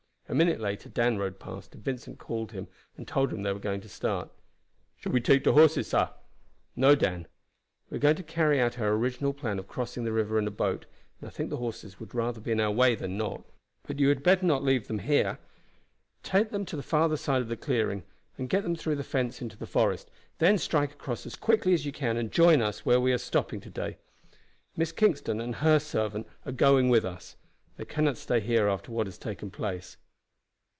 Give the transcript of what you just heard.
A minute later Dan rode past, and Vincent called him and told him they were going to start. "Shall we take de horses, sah?" "No, Dan. We are going to carry out our original plan of crossing the river in a boat, and I think the horses would be rather in our way than not. But you had better not leave them here. Take them to the farther side of the clearing and get them through the fence into the forest, then strike across as quickly as you can and join us where we were stopping to day. Miss Kingston and her servant are going with us. They cannot stay here after what has taken place."